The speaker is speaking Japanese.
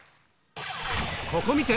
ここ観て！